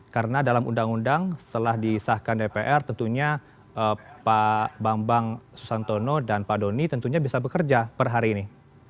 karena dalam undang undang setelah disahkan dpr tentunya pak bambang susantono dan pak doni tentunya bisa bekerja per hari ini